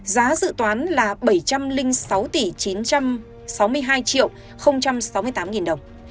giá dự toán là bảy trăm linh sáu tỷ chín trăm sáu mươi hai triệu sáu mươi tám đồng